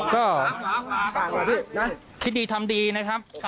ก็คิดดีทำดีนะครับ